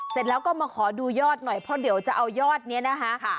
เสร็จแล้วก็มาขอดูยอดหน่อยเพราะเดี๋ยวจะเอายอดนี้นะคะ